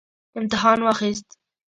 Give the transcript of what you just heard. امتحان واخیست